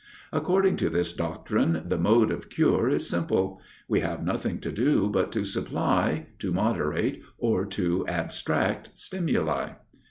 According to this doctrine, the mode of cure is simple: we have nothing to do but to supply, to moderate or to abstract stimuli.